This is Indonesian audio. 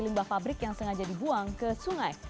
limbah pabrik yang sengaja dibuang ke sungai